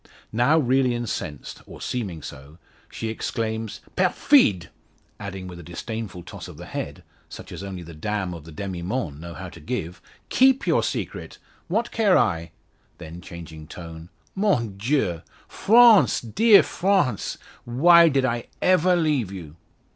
Now really incensed, or seeming so, she exclaims: "Perfide!" adding with a disdainful toss of the head, such as only the dames of the demi monde know how to give, "Keep your secret! What care I?" Then changing tone, "Mon Dieu! France dear France! Why did I ever leave you?"